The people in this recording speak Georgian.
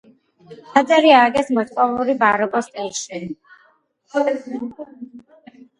ტაძარი ააგეს მოსკოვური ბაროკოს სტილში.